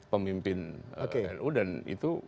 pemimpin nu dan itu